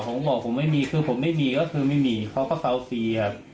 ผมบอกผมไม่มีคือผมไม่มีก็คือไม่มีเขาก็เซาฟรีครับ